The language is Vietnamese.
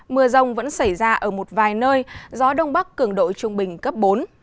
gió đông vẫn xảy ra ở một vài nơi gió đông bắc cường đội trung bình cấp bốn